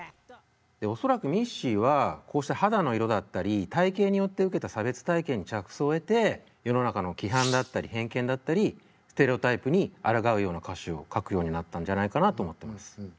で恐らくミッシーはこうした肌の色だったり体型によって受けた差別体験に着想を得て世の中の規範だったり偏見だったりステレオタイプにあらがうような歌詞を書くようになったんじゃないかなと思ってます。